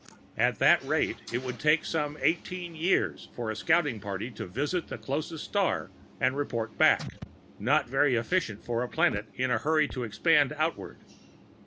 At that rate, it would take some eighteen years for a scouting party to visit the closest star and report back ... not very efficient for a planet in a hurry to expand outward.